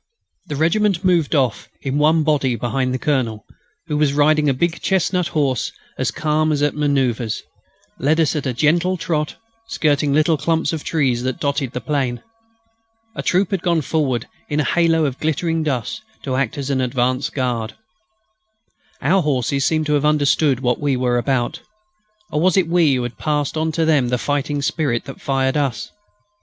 The regiment moved off in one body behind the Colonel, who, riding a big chestnut horse and as calm as at manoeuvres, led us at a gentle trot skirting the little clumps of trees that dotted the plain. A troop had gone forward in a halo of glittering dust to act as an advance guard. Our horses seemed to have understood what we were about. Or was it we who had passed on to them the fighting spirit that fired us?